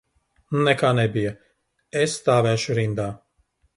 Nekā nebija, es stāvēšu rindā.